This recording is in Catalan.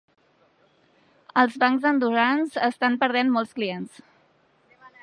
Els bancs andorrans estan perdent molts clients